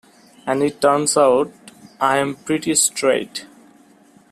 And it turns out I'm pretty straight.